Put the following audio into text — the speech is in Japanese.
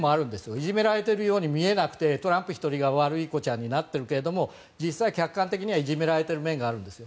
いじめられているように見えなくてトランプ１人が悪い子になってるけれども客観的にいじめられてる面があるんですよ。